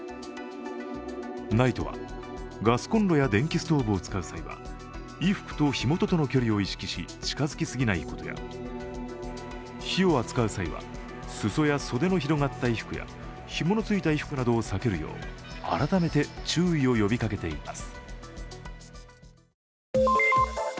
ＮＩＴＥはガスコンロや電気ストーブを使う際は衣服と火元との距離を意識し、近づきすぎないことや、火を扱う際は裾や袖の広がった衣服やひものついた衣服などを避けるよう改めて注意を呼びかけています。